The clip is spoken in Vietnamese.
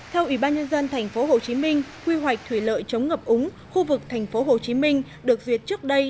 theo ủy ban nhân dân tp hcm quy hoạch thủy lợi chống ngập úng khu vực tp hcm được duyệt trước đây